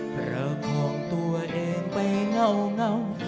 ประคองตัวเองไปเหงา